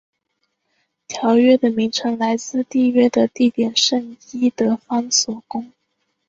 条约的名称来自缔约的地点圣伊德方索宫。